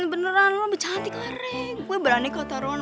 beneran lo cantik lah re gue berani kata ron